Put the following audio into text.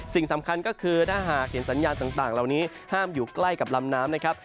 สิ่งสำคัญก็คือถ้าหากเห็นสัญญาณต่างเหล่านี้ห้ามอยู่ใกล้กับลำน้ำนะครับ